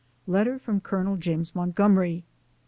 Letter from Col. James Montgomery.